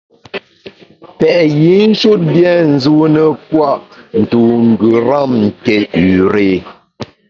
Pèt yinshut bia nzune pua’ ntu ngeram nké üré.